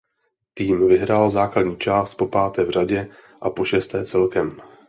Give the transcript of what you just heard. Tým vyhrál základní část popáté v řadě a pošesté celkem.